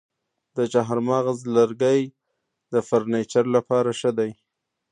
د چهارمغز لرګی د فرنیچر لپاره ښه دی.